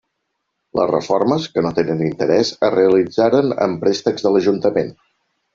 Les reformes, que no tenen interès, es realitzaren amb préstecs de l'Ajuntament.